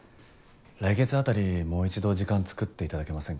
来月あたりもう一度時間つくっていただけませんか？